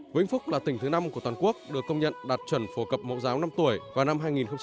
vĩnh phúc là tỉnh thứ năm của toàn quốc được công nhận đạt chuẩn phổ cập mẫu giáo năm tuổi vào năm hai nghìn hai mươi